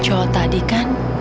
jauh tadi kan